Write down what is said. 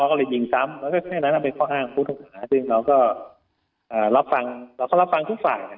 ลูกลูกภูมิเรารอบฟังทุกฝ่าย